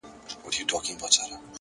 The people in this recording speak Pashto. هره لاسته راوړنه د باور نښه ده،